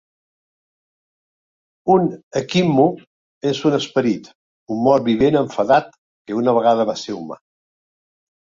Un ekimmu és un esperit, un mort vivent enfadat, que una vegada va ser humà.